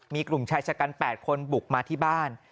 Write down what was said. มีกลุ่มชายชะกัน๘คนบุกมาที่บ้าน